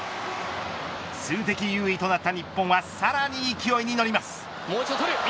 数的優位となった日本がさらに勢いに乗ります。